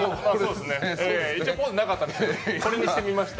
一応、ポーズなかったのでこれにしてみました。